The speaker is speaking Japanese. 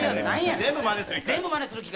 全部まねする機械。